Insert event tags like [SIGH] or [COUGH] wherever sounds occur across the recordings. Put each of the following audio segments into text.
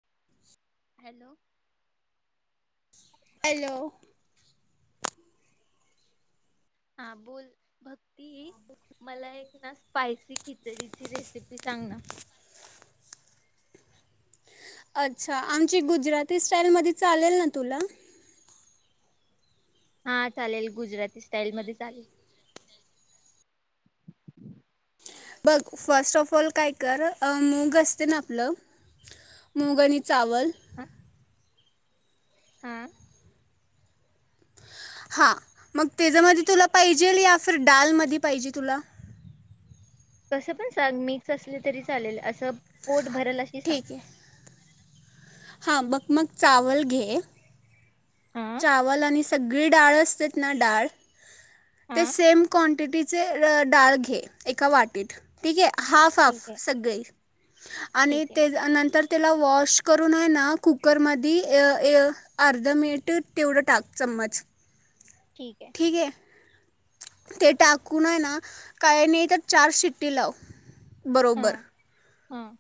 [INAUDIBLE] Hello. Hello. हा बोल, बघ. ती, मला एकदा स्पायसी खिचडीची रेसिपी सांग ना. अच्छा आमची गुजराती स्टाईल मध्ये चालेल ना तुला. हा चालेल गुजराती स्टाईल मध्ये चालेल. बघ फर्ट ऑफ ऑल काय कर ग मूग असते ना आपलं मूग आणि चावल. हा. हा हा मग त्याच्यामध्ये तुला पाहिजे या डालमध्ये पाहिजे तुला. कसं पण सांग मिक्स असले तरी चालेल असं. पोट भरल अशी सांग. हा मग मग चावल घे. हा चावल आणि सगळी डाळ असते ना डाळ ते हा सेम क्वांटिटीचे डाळ घे एका वाटीत ठीक आहे. हाफ ठीक हाफ आहे सगंले. आणि ठीक आहे नंतर त्याला वॉश करून आहे ना कुकरमध्ये य य अर्धा मिनिट तेवढं टाक चमच. ठीक आहे. ते टाकून आहे ना काय नाही चार शिट्टी लाव बरोबर. हम.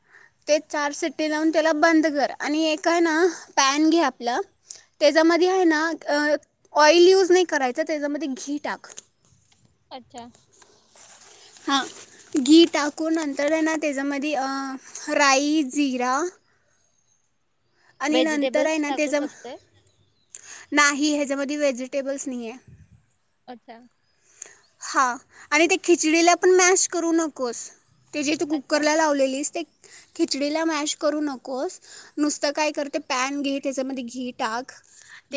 ते चार सिट्टी लावून त्याला बंद कर आणि एक आहे ना पॅन घे आपलं त्याच्यामध्ये आहे ना ऑइल यूज नाही करायचा त्याच्यामध्ये घी टाक. अच्छा! हां घी टाकून नंतर हाय ना त्याच्यामध्ये राई, जिरा आणि नंतर आहे व्हेजिटेबल्स ना टाकू त्याचा शकतोय. नाही ह्याच्यामध्ये व्हेजिटेबल्स नाहीय. अच्छा! हा आणि त्या खिचडीला पण मॅश करू नकोस. ते जे तू अच्छा. कुकर लावलेलीस ते खिचडीला मॅश करू नकोस नुसतं काय कर पॅन घे त्याच्यामध्ये घी टाक.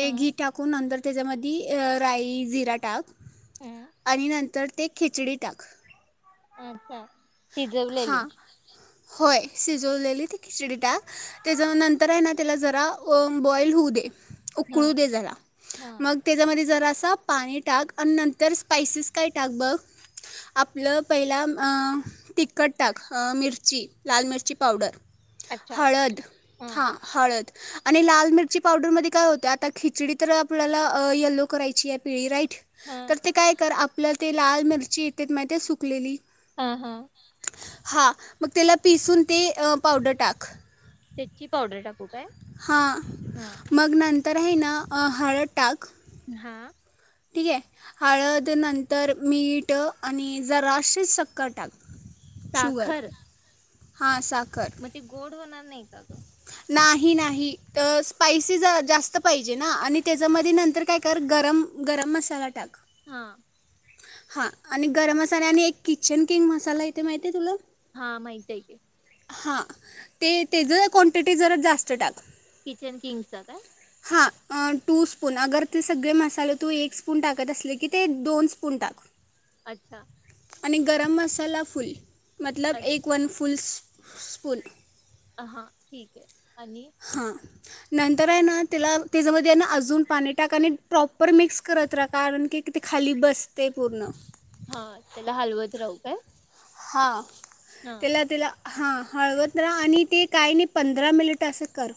हा घी टाकून नंतर त्याच्यामध्ये राई, जिरा टाक. हा आणि नंतर ते खिचडी टाक. अच्छा! शिजवलेली, हां होय शिजवलेली ती खिचडी टाक. नंतर आहे ना त्याला जरा बॉईल होऊ दे. हा उकळू देला जरा हा मग त्याच्यामध्ये, थोडासा पाणी टाक आणि नंतर स्पायसीस काय टाक बघ आपलं पहिला तिकट, मिरची -लाल मिरची पॉवडर. अच्छा हळद, हा हां हळद. आणि लाल मिरची पावडरमध्ये काय होत आता खिचडी तर आपल्याला येलो करायची आहे पिवळी राईट हा तर ते काय कर आप आपलं ते लाल मिरची येत्यात माहिती सुकलेली. हा हा, हा मग त्याला पिसून ते पावडर टाक. तेची पावडर टाकू. काय? हा हा मग नंतर आहे ना हळद टाक. हा, ठीक आहे हळद नंतर मीठ आणि जराशीच सक्कर टाक. साखर, हा साखर, मग, ती गोड होणार. नाही, का क? नाही नाही तर स्पायसी जरा जास्त पाहिजे ना आणि त्याच्यामध्ये नंतर काय कर गरम, गरम मसाला टाक. हा, हां आणि गरम मसाल्या आणि एक किचन किंग मसाला इथे माहिती आहे तुला, हा माहती आहे की, हां ते, त्याज क्वांटिटी जरा जास्त टाक. किचन किंगचा काय? हां टू स्पून अगर ते सगळे मसाले तू एक स्पून टाकत असले की ते दोन स्पून टाक. अच्छा. आणि गरम मसाला फूल मतलब अच्छा एक वन. फुल स्फुल हा ठीके. आणि हां नंतर आहे ना त्याला त्याच्यामध्ये आहे ना अजून पाणी टाका आणि प्रॉपर मिक्स करत राहा कारण की ते खाली बसते पूर्ण हा त्याला हलवच राहू काय. हां. हा तेला तेला हां हळवत राहा आणि ते काय नाही पंधरा मिनिट असं कर.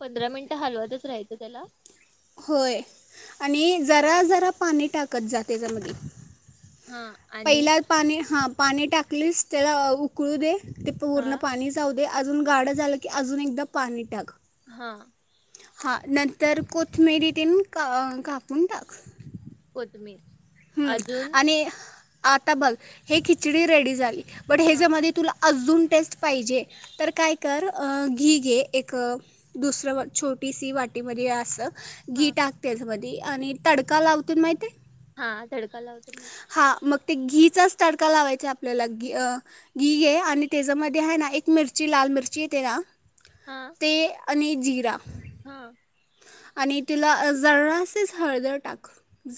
पंधरा मिनिटं हलवतच राहायचं त्याला होय आणि जरा जरा पाणी टाकत जा त्याच्यामध्ये हा आणि पहिला पाणी हा. पाणी टाकलीस त्याला उकळू दे. ते हा पूर्ण पाणी जाऊ. ते अजून गाडं झालं की अजून एकदा पाणी टाक. हा. हा नंतर कोथमिरी तेन का कापून टाक. तुम्ही? हम्म आणि आता बघ हे खिचडी रेडी झाली. बट हा ह्याच्यामध्ये तुला अजून टेस्ट पाहिजे तर काय कर घी घे एक दुसरं छोटीशी वाटीमध्ये असं. हा घी टाक त्याच्यामधी. आणि तडका लावतेय माहिती हाय हा तडका लावते माहिती हाय ते घीचाच ताडका लावायचा आपल्याला घी घी घे आणि त्याच्यामध्ये आहे ना एक मिरची लाल मिरची येते ना. हा ते. आणि जीरा हा. आणि तुला जरासच हळदर टाक.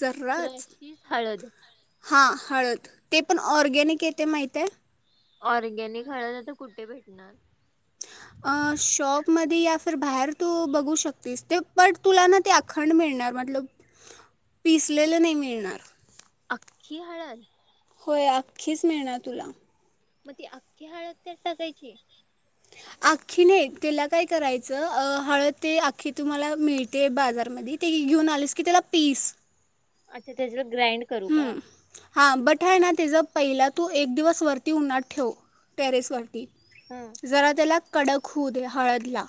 जराच शीच हळद हां हळद ते पण ऑर्गेनिक येते माहितीया. ऑर्गेनिक हळद आता कुठे भेटणार? [INAUDIBLE] अख्खी हळद. होय आख्खीच मिळनार तुला मग ती अख्खी हळद त्यात टाकायची? आख्खी नइ तेला काय करायचं अ, हळद ती आख्खी तुम्हांला मिळते बाजारमध्ये, ते घेऊन आलीस की त्याला पीस आच्छा तेज ग्रॅड करू का? हा बट हाय ना, तेज पहिला तू एक दिवस वरती उन्हात ठेव. हा टेरेसवरती हा जरा त्याला कडक होऊदे. हळद ला.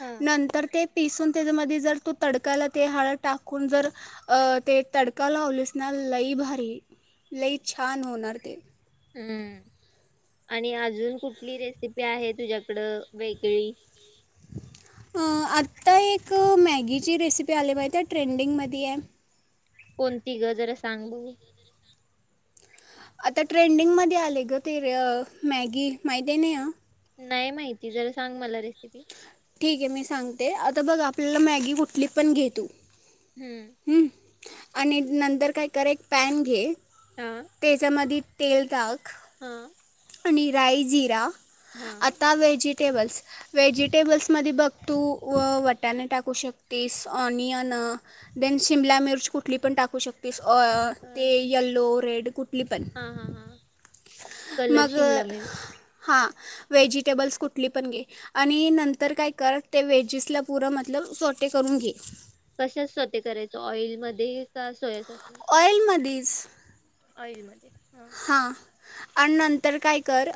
हा. नंतर ते पिसून त्यज्यामधी जर तू तडकाला ते हळद टाकून जर अ ते तडका लावलीस ना लई भारी लई छान होणार ते हम्म! आणि अजून कुठली रेसिपी आहे तुझ्याकडं वेगळी? अ् आत्ता एक मॅगीची रेसिपी आली माहितीय आहे ट्रेंडिंगमध्ये हाय? कोणती गं? जरा सांग बघू. आता ट्रेंडिंग मध्ये आले गं ते अ मॅगी माहितीय नाही आ किती? ठीक आहे मी सांगते. आता बघ आपल्याला मॅगी कुठली पण घे तू हम्म! हं? आणि नंतर काय कर एक पॅन घे. हा त्याच्यामध्ये तेल टाक. हा. आणि राई, जिरा. हा आता व्हेजि टेबल्स, व्हेजिटेबल्स मध्ये बघ तू व वटाणे टाकू शकतीस, ऑनियन देन शिमला मिर्ची कुठली पण टाकू शकतीस. अ ते यल्लो रेड. कुठली पण हां-हां-हां. कलर मग शिमला मिर्च हां व्हेजिटेबल्स कुठली पण घे आणि नंतर काय कर ते व्हेजिसला पुरा मतलब सोटे करून घे. कशात सोटे करायचं? ऑइलमध्ये का सोयास ऑइलमधी [INAUDIBLE] तेलमध्ये हा. आणि नंतर काय कर,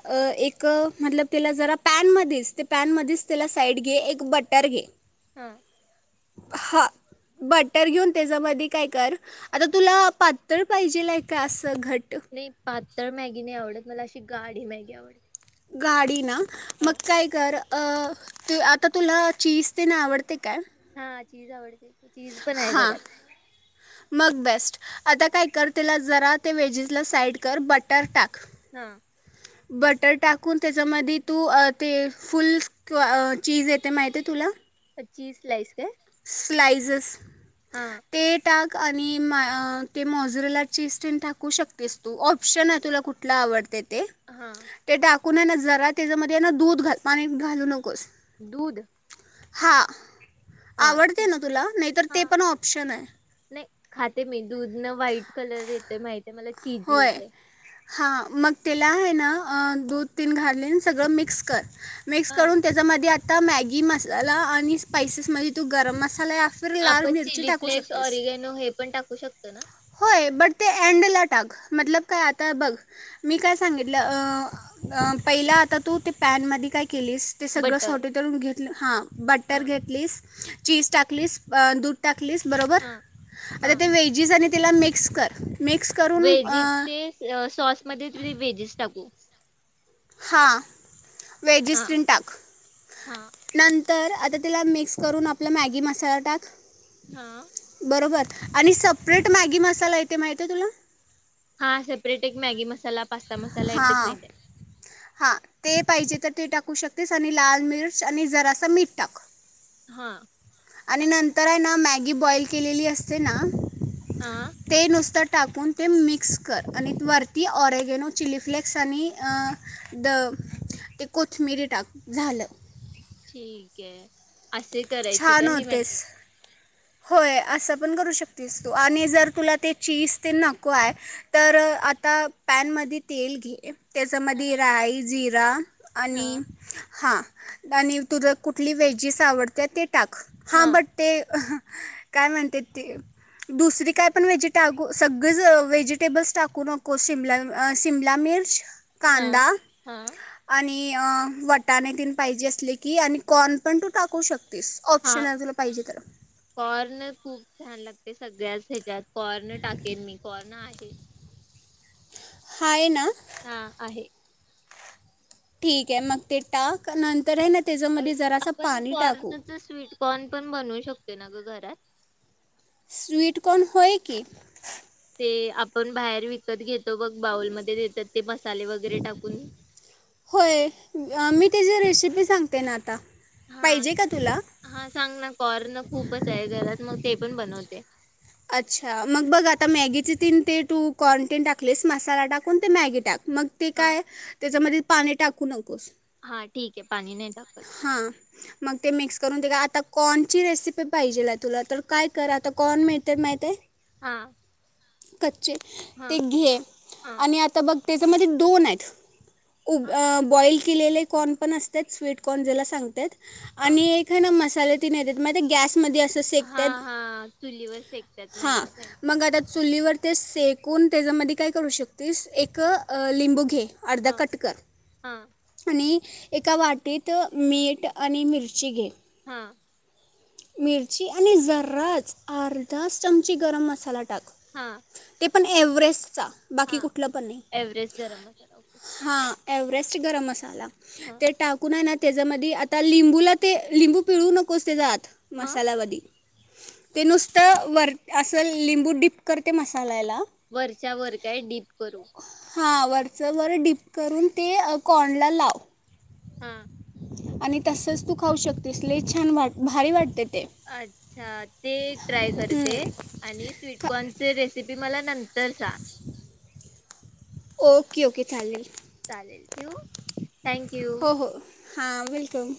एक मतलब तेला जरा पॅन मधीच ते पॅनमध्येच त्यला साईड घे. एक बटर घे. हा. हा. बटर घेऊन त्यजामधी काय कर, आता तुला पातळ पाहिजेल हाय का असं घट्ट? पातळ मॅगी नाही आवडत, मला अशी गाढी मॅगी आवडते. गाडी ना? हा मक काय कर? अ ते आता तुला चीज तेन आवड ते काय? हा चीज आवडते. चीज पण हाय घरात. अता काय कर तेला जरा ते वेजीसला साईड कर बटर टाक. हा. बटर टाकून त्याच्यामदी तू अ ते फुल किंवा अ चीज येते माहिती आहे तुला? चीज स्लाइस काय? स्लाइसेस हा ते टाक. आणि माय अ ते मोजरेला चीज तेन टाकू शकतेस तू ऑप्शन हाय तुला कुठला आवडते. हा ते टाक. कुणाला जरा त्याच्यामध्ये आहे ना दूध घाल, पाणी घालू नकोस. दूध हा. हा आवडते ठीक ना तुला नाहीतर ते हा पण नाही. खाते मी दूध न व्हाईट कलर येतोय माहित ते मला चीजी होय होतय. हां मग तेला आहे ना अ दूध तीन घालीन सगळं मिक्स कर. मिक्स हा करून त्याच्यामध्ये आ आता मॅगी मसाला आणि स्पायसेस मध्ये तू गरम मसाला फिर लाल आपण मिरची चिली टाकू फ्लेक्स शकतेस ऑरिगेनो हे पण टाक टाकु शकतो ना? होय बट ते एंडला टाक. मतलब काय आता बघ, मी काय सांगितलं अ अ पहिला आता तू ते पॅन मधी काय केलीस ते सगळं बटर सोट [UNINTELLIGIBLE] करुन घेतलं हा हा बटर घेतलीस. चीज टाकलीस. अ दूध टाक. टाकलीस बरोबर, हा आता हा ते वेजीस आणि तिला मिक्स कर. मिक्स करून व्हेजी अं, ते अ सॉसमध्ये [UNINTELLIGIBLE] व्हेजीस स टाकू. हा हा वेजिस तेन टाक. हा नंतर आता तिला मिक्स करून आपला मॅगी मसाला टाक. हा. बरोबर. आणि सपरेट मॅगी मसाला ये ते माहिते तुला. हा सेपरेट एक मॅगी मसा हा हा ते पाहिजे तर ते टाकू शक तेस आणि लाल मिर्च आणि जरास मीठ टाक. हां. आणि नंतर आहे ना मॅगी बॉइल केलेली असते ना. हा ते नुसत. टाकून ते मिक्स कर आणि वरती ऑरेगेनो चिली फ्लेक्स आणि द ते कोथिंबिरी टाक झालं. ठीकय. असे करायचे छान काहि माहिेती. होतेस होय असं पण करू शकतेस तू आणि जर तुला ते चीज ते नको आहे तर आता पॅनमध्ये तेल घे. हा तेच्यामध्ये राई. जीर. [UNINTELLIGIBLE] आणि हा हां. आणि तु जर कुठली व्हेजीस आवड [UNINTELLIGIBLE] टाक हा बट ते काय म्हणते ती दुसरी काय पण व्हेजी टाकू सगळंच व्हेजिटेबल्स टाकू नको शिमला शिमला मिर्च. हा कांदा हा आणि मी वटाणे तीन पाहिजे असले की आणि कॉर्न पण तू टाकू शकती. हा ऑप्शन आहे तुला पाहिजे तर. कॉर्न खूप छान लागते सगळ्याच ह्याच्यात कॉर्न टाकेन मी कॉर्न आहे. हाय ना. हा आहे. ठीक आहे मग ते टाक न तर हायन त्याच्यामध्ये जरा असं पाणी टाकू कॉर्न पण बनवू शकते ना ग घरात. स्वीटकॉर्न होय की. ते आपण बाहेर विकत घेतो बघ बाऊलमध्ये देतात ते मसाले वगैरे टाकून. होय मी त्याच्या रेसिपीज. सांगते ना आता. हां पाहिजे का तुला हां सांग ना कॉर्न खूपच आहे घरात. मग ते पण बनवते. अच्छा मग बघ आता मॅगीचे तीन ते कॉर्न टाकलेस मसाला टाकून ते मॅगी टाक. मग ते हा काय त्याच्यामध्ये पाणी टाकू नकोस. हा ठीकय. हा मग ते मिक्स करून ते का आता कॉनची रेसिपी पाहिजेले तुला तर काय कर आता कॉर्न मिळतय माहितेय. हा, [UNINTELLIGIBLE] चे हा ते घे हा आणि आता बघ त्याच्यामध्ये दोन आहेत. [UNINTELLIGIBLE] हा अ बॉईल किलेले कॉन पण असत्यात स्वीट कोणजेला सांगतेत. हा. आणि एक है ना म [UNINTELLIGIBLE] माहिती आहे. गॅस मधी असं हा शेकतेत हा चुलीवर शेकतात हा माहित आहे मग [UNINTELLIGIBLE] चुलीवर ते शेकून त्याच्यामध्ये काय करू शकतीस एक लिंबू घे. अर्धा हा कट कर हा आणि, एका वाटी तेत मीठ आणि मिरची घे. हां, मिरची आणि जराच अर्धाच चमची गरम मसाला टाक. हा, ते पण एव्हेस्टचा. हा एवरेस्ट गरम मसाला. एवरेस्ट गरम मसााला, हा. ते टाकू. हाय ना त्याच्यामधी आता लिंबूला ते लिंबू पिळू नकोस त्याचा आत मग मसाला वादी ते नुसतं वर अस लिंबू डीप करते मसाल्याला, वरच्या वर काय डीप करू. हां वरचं वर डीप करून ते कॉर्नला लाव. हा, आणि तसच तू खाऊ शकतेस लय छान भारी वाटते. ते अच्छा ते ट्राय करते हं. आणि खा स्वीटकॉनचे रेसिपी ते मला नंतर तर सांग. ओके ओके चालेल. चालेल ठेऊ. Thank you. हो हो हां वेलकम.